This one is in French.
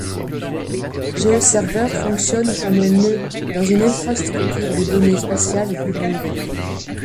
GeoServer fonctionne comme un nœud dans une infrastructure de données spatiales libre et ouverte.